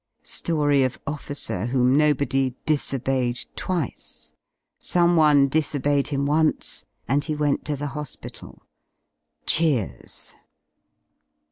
Story of officer whom nobody disobeyed twice. Someone disobeyed him once and he ivent to the hospital! Cheers!